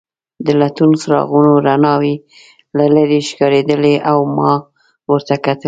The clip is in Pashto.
د لټون څراغونو رڼاوې له لیرې ښکارېدلې او ما ورته کتل.